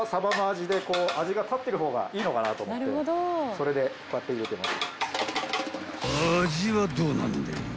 それでこうやって入れてます。